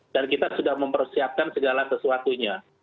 dan kita sudah mempersiapkan segala sesuatunya